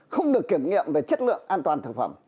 không được kiểm nghiệm về chất lượng an toàn thực phẩm